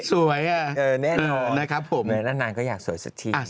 สวยอะแน่นอนอยู่นานก็อยากสวยสักทีนะครับผม